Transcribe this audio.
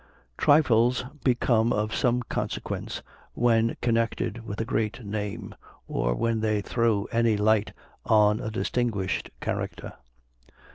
Trifles become of some consequence when connected with a great name, or when they throw any light on a distinguished character.